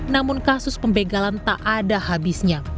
namun kasus pembegalan tak ada habisnya